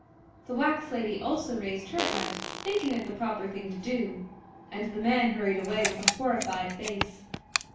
The wax lady also raised her hat, thinking it the proper thing to do, and the man hurried away with a horrified face.